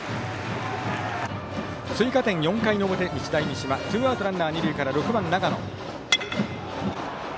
追加点、４回の表、日大三島ツーアウトランナー、二塁から６番、永野。